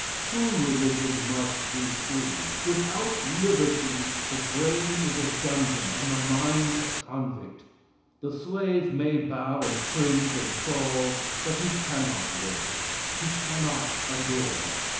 True religion must be free; without liberty the brain is a dungeon and the mind the convict. The slave may bow and cringe and crawl, but he cannot worship, he cannot adore.